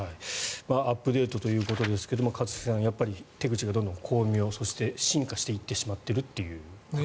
アップデートということですが一茂さん、やはり手口がどんどん巧妙そして進化していってしまっているということですね。